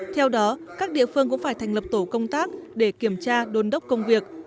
theo đó các địa phương cũng phải thành lập tổ công tác để kiểm tra đôn đốc công việc